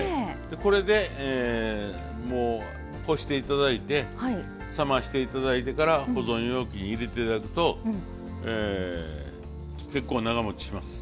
これでこして頂いて冷まして頂いてから保存容器に入れて頂くと結構長もちします。